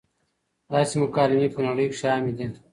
داسې مکالمې پۀ نړۍ کښې عامې دي -